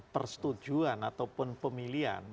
persetujuan ataupun pemilihan